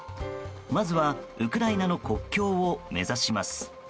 まずはウクライナの国境を目指します。